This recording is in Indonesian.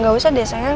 makasih ya sayang